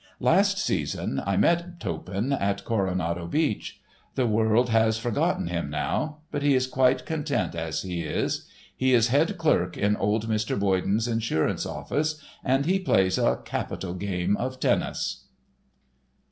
Last season I met Toppan at Coronado Beach. The world has about forgotten him now, but he is quite content as he is. He is head clerk in old Mr. Boyden's insurance office and he plays a capital game of tennis.